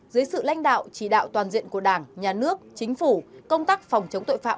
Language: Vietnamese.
dưới sự lãnh đạo chỉ đạo toàn diện của đảng nhà nước chính phủ công tác phòng chống tội phạm